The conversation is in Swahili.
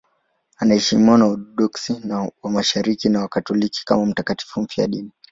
Anaheshimiwa na Waorthodoksi wa Mashariki na Wakatoliki kama mtakatifu mfiadini.